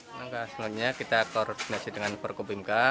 selanjutnya kita koordinasi dengan perkubimka